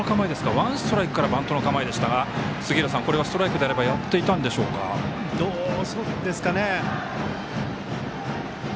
ワンストライクからバントの構えでしたが杉浦さん、これはストライクであればどうですかね。